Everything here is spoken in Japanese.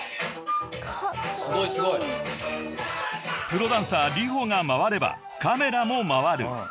［プロダンサーＲｉｈｏが回ればカメラも回る］